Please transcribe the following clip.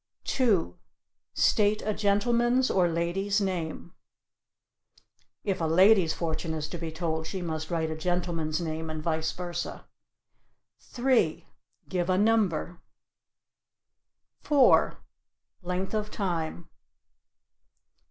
2. "State a gentleman's or a lady's name." (If a lady's fortune is to be told she must write a gentleman's name and vice versa.) 3. "Give a number." 4. "Length of time."